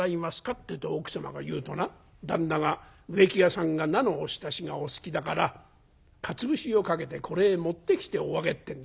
って奥様が言うとな旦那が『植木屋さんが菜のおひたしがお好きだからかつ節をかけてこれへ持ってきておあげ』ってんだよ。